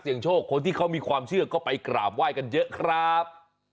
เสียงโชคคนที่เค้ามีความเชื่อก็ไปการว่ายกันเยอะครับ